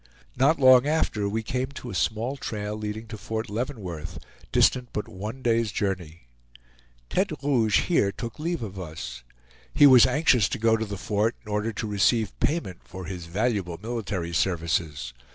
Not long after we came to a small trail leading to Fort Leavenworth, distant but one day's journey. Tete Rouge here took leave of us. He was anxious to go to the fort in order to receive payment for his valuable military services.